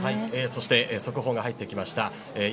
そして、速報が入ってきました。